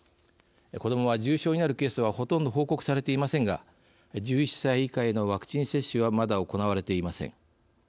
子どもは、重症になるケースはほとんど報告されていませんが１１歳以下へのワクチン接種はまだ行われていません。